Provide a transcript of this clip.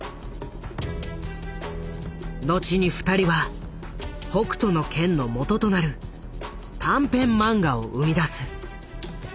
後に２人は「北斗の拳」のもととなる短編漫画を生み出す。